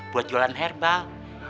buat jualan herbal